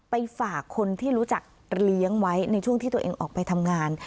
ไปฝากคนที่รู้จักเลี้ยงไว้ในช่วงที่ตัวเองออกไปทำงาน